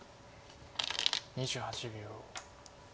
２８秒。